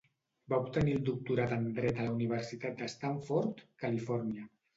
Va obtenir el doctorat en dret a la Universitat de Stanford, Califòrnia.